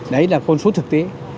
đấy là con số thực tế